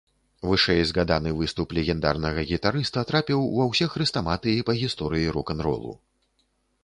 Вышэйзгаданы выступ легендарнага гітарыста трапіў ва ўсе хрэстаматыі па гісторыі рок-н-ролу.